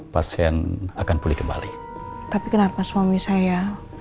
pasien akan pulih kembali tapi kenapa suami saya